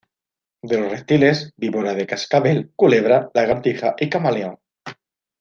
De los reptiles: víbora de cascabel, culebra, lagartija, y camaleón.